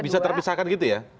bisa terpisahkan gitu ya